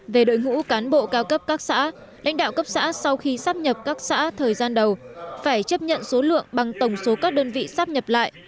về đội ngũ cán bộ cao cấp các xã lãnh đạo cấp xã sau khi sắp nhập các xã thời gian đầu phải chấp nhận số lượng bằng tổng số các đơn vị sắp nhập lại